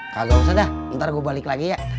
kagak usah dah ntar gue balik lagi ya